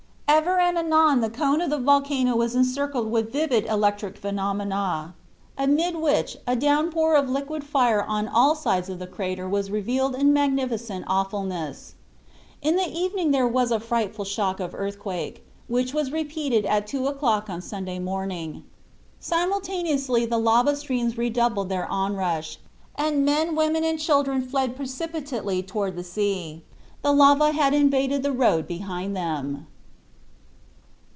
Ever and anon the cone of the volcano was encircled with vivid electric phenomena, amid which a downpour of liquid fire on all sides of the crater was revealed in magnificent awfulness. In the evening there was a frightful shock of earthquake, which was repeated at two o'clock on Sunday morning. Simultaneously the lava streams redoubled their onrush, and men, women and children fled precipitately toward the sea. The lava had invaded the road behind them."